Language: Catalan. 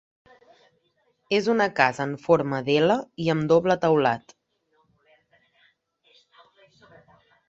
És una casa en forma de "L" i amb doble teulat.